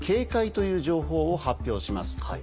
という情報を発表します。